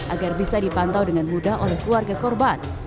agar bisa dipantau dengan mudah oleh keluarga korban